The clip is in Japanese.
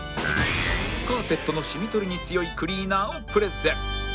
カーペットのシミ取りに強いクリーナーをプレゼン